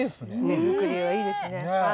手作りはいいですね。